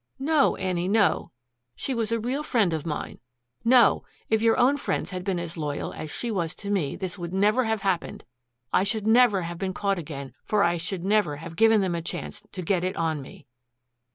"No, Annie, no. She was a real friend of mine. No if your own friends had been as loyal as she was to me this would never have happened I should never have been caught again, for I should never have given them a chance to get it on me."